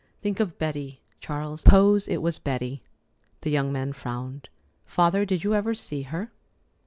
Think of Betty, Charles. Suppose it was Betty." The young man frowned. "Father, did you ever see her?"